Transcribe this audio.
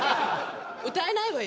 歌えないわよ。